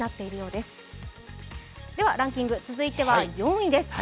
ではランキング、続いては４位です。